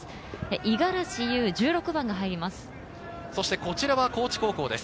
五十嵐悠、１６番が入ります。